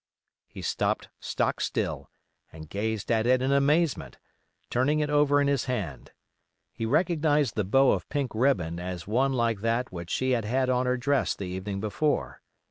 He stopped stock still, and gazed at it in amazement, turning it over in his hand. He recognized the bow of pink ribbon as one like that which she had had on her dress the evening before.